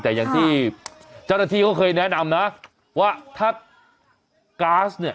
แต่อย่างที่เจ้าหน้าที่เขาเคยแนะนำนะว่าถ้าก๊าซเนี่ย